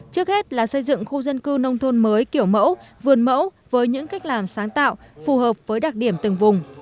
trước hết là xây dựng khu dân cư nông thôn mới kiểu mẫu vườn mẫu với những cách làm sáng tạo phù hợp với đặc điểm từng vùng